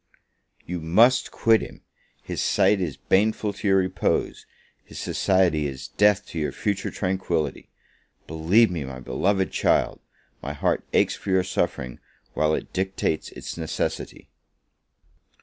You must quit him! his sight is baneful to your repose, his society is death to your future tranquillity! Believe me, my beloved child, my heart aches for your suffering, while it dictates its necessity.